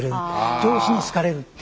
上司に好かれるっていう。